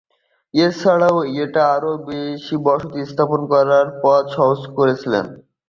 এছাড়া, এটা আরও বেশি বসতি স্থাপন করার পথ সহজ করে দিয়েছিল।